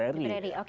oke taruh dulu